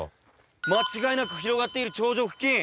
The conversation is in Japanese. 間違いなく広がっている頂上付近。